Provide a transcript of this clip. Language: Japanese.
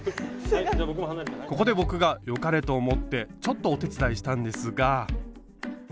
ここで僕がよかれと思ってちょっとお手伝いしたんですが。